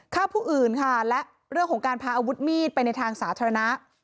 ฆ่าผู้อื่นค่ะและเรื่องของการพาอาวุธมีดไปในทางสาธารณะ